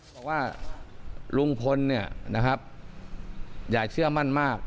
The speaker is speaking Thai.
บอกว่าลุงพลเนี่ยนะครับอย่าเชื่อมั่นมาก